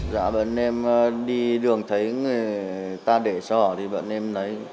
dạ bọn em đi đường thấy người ta để sỏ thì bọn em lấy